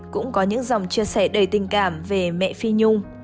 cũng có những dòng chia sẻ đầy tình cảm về mẹ phi nhung